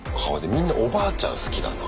みんなおばあちゃん好きだな。